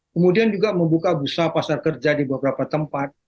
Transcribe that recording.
kemudian juga membuka busa pasar kerja di beberapa tempat